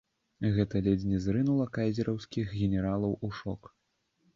Гэта ледзь не зрынула кайзераўскіх генералаў у шок.